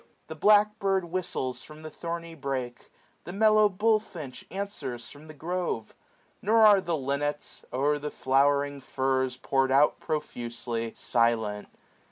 600 The black bird whistles from the thorny brake ; The mellow bullfinch answers from the grove : Nor are the linnets, o'er the flowering furze Pour'd out profusely, silent.